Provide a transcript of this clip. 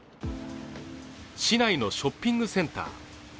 市内のショッピングセンター。